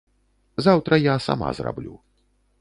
Заўтра я сама зраблю.